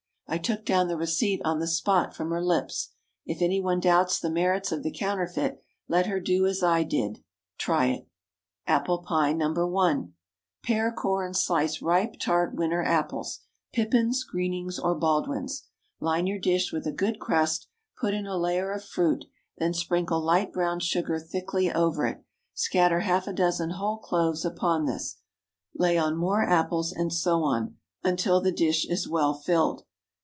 I took down the receipt on the spot from her lips. If any one doubts the merits of the counterfeit, let her do as I did—try it. APPLE PIE (No. 1.) ✠ Pare, core, and slice ripe, tart winter apples—Pippins, Greenings, or Baldwins—line your dish with a good crust, put in a layer of fruit, then sprinkle light brown sugar thickly over it, scatter half a dozen whole cloves upon this, lay on more apples, and so on, until the dish is well filled.